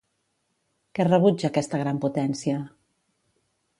Què rebutja aquesta gran potència?